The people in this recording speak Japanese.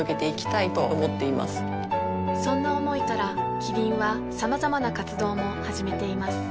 そんな思いからキリンはさまざまな活動も始めています